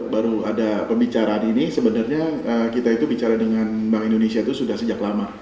baru ada pembicaraan ini sebenarnya kita itu bicara dengan bank indonesia itu sudah sejak lama